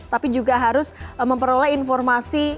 tapi juga harus memperoleh informasi